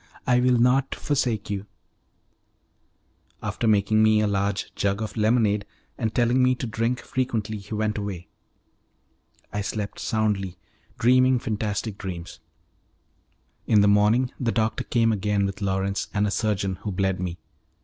I will not forsake you" After making me a large jug of lemonade, and telling the to drink frequently, he went away. I slept soundly, dreaming fantastic dreams. In he morning the doctor came again with Lawrence and a surgeon, who bled me.